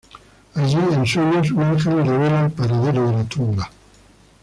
Allí, en sueños, un ángel le revela el paradero de la tumba.